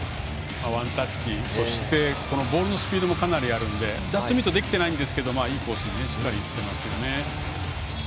ワンタッチそしてボールのスピードもかなりあるので、ジャストミートできてないんですけどいいコースにしっかり行っていますね。